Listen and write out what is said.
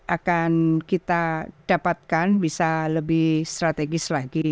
akan kita dapatkan bisa lebih strategis lagi